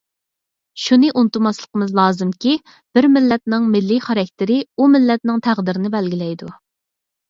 شۇنى ئۇنتۇماسلىقىمىز لازىمكى، بىر مىللەتنىڭ مىللىي خاراكتېرى ئۇ مىللەتنىڭ تەقدىرىنى بەلگىلەيدۇ.